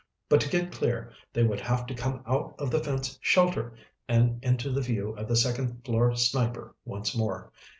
But to get clear they would have to come out of the fence shelter and into the view of the second floor sniper once more.